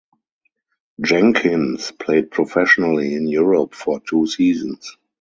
Jenkins played professionally in Europe for two seasons.